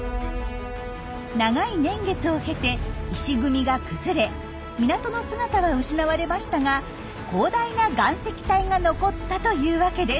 長い年月を経て石組みが崩れ港の姿は失われましたが広大な岩石帯が残ったというわけです。